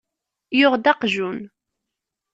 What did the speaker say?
Yuɣ-d aqejjun.